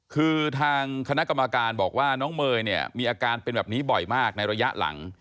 คือทางคณะกรรมการบอกว่าน้องเมย์เนี่ยมีอาการเป็นแบบนี้บ่อยมากในระยะหลัง